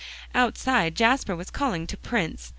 Outside, Jasper was calling to Prince.